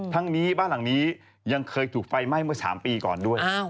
ทั้งนี้บ้านหลังนี้ยังเคยถูกไฟไหม้เมื่อ๓ปีก่อนด้วย